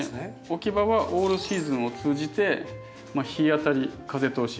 置き場はオールシーズンを通じて日当たり風通し。